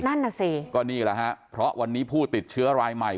นั่นน่ะสิก็นี่แหละฮะเพราะวันนี้ผู้ติดเชื้อรายใหม่